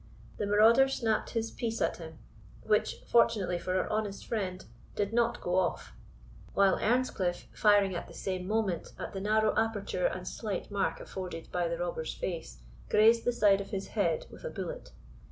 The marauder snapped his piece at him, which, fortunately for our honest friend, did not go off; while Earnscliff, firing at the same moment at the narrow aperture and slight mark afforded by the robber's face, grazed the side of his head with a bullet.